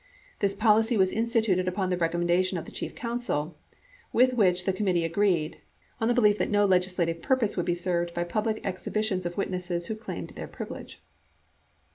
This policy was instituted upon the recommendation of the chief counsel, with which the com mittee agreed, on the belief that no legislative purpose would be served by public exhibitions of witnesses who claimed their privilege.